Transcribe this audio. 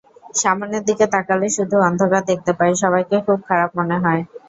সামনের দিকে তাকালে শুধু অন্ধকার দেখতে পাই, সবাইকে খুব খারাপ মনে হয়।